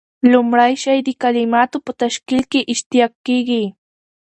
لومړی شی د کلیماتو په تشکیل کښي اشتقاق دئ.